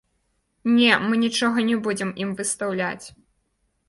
Не, мы нічога не будзем ім выстаўляць.